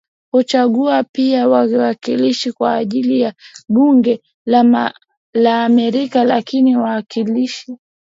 huchagua pia wawakilishi kwa ajili ya bunge la Marekani lakini wawakilishi